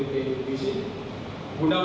di tanjung triup